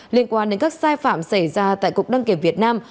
liên quan đến các sai phạm xảy ra tại cục đăng kiểm việt nam